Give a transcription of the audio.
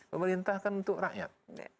pemerintah untuk rakyat